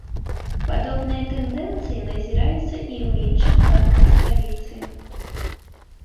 Падобныя тэндэнцыі назіраюцца і ў іншых банках сталіцы.